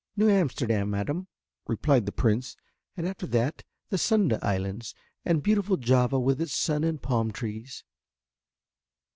"New Amsterdam, madame," replied the Prince, "and after that the Sunda Islands and beautiful Java with its sun and palm trees."